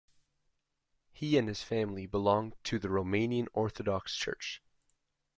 He and his family belong to the Romanian Orthodox Church.